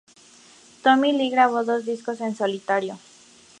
Tommy Lee grabó dos discos en solitario.